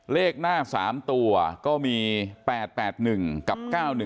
เลขหน้า๓ตัวก็มี๘๘๑กับ๙๑